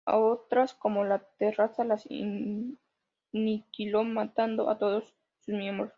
A otras, como La Terraza, las aniquiló matando a todos sus miembros.